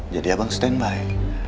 jadi abang stand by